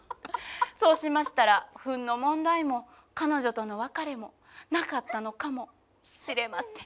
そうしましたらフンの問題も彼女との別れもなかったのかもしれません。